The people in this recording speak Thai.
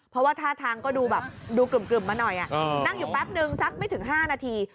เพราะว่าท่าทางก็ดูแบบดูกลึ่มมาหน่อยนั่งอยู่แป๊บนึงสักไม่ถึง๕นาที